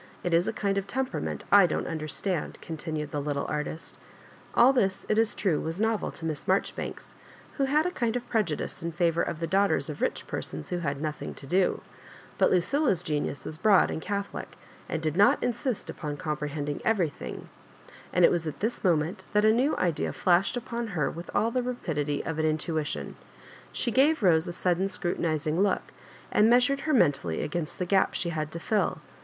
It is a kind of temperament I don't understand," continued the little artist All this, it is true, was novel to Miss Marjori banks, who had a kind of prejudice in favour of the daughters of ridi persons who had nothing to do; but LucOla's genius was broad and catho . lie, and did not insist upon comprehending every, thing, and it was at this moment that a new idea flashed upon her with all the rapidity of an in tuition. She gave Bose a sudden scrutinising look, and measured her mentally against the gap she had to fill.